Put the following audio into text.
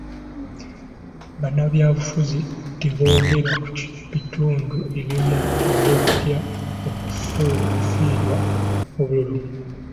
Bannabyabufuzi teebogera ku bintu ebimu olw'okutya okufiirwa obululu.